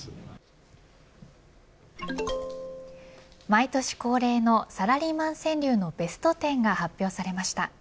毎年恒例のサラリーマン川柳のベスト１０が発表されました。